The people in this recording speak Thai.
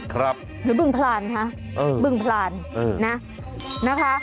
ครับหรือบึงผลานค่ะบึงผลานนะนะคะ